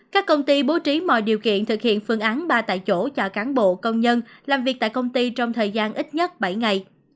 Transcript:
các công ty bố trí mọi điều kiện thực hiện phương án ba tại chỗ cho cán bộ công nhân làm việc tại công ty trong thời gian ít nhất bảy ngày